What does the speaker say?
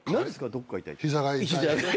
どっか痛いって。